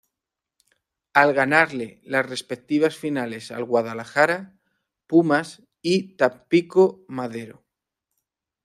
Al ganarle las respectivas finales al Guadalajara, Pumas y Tampico-Madero.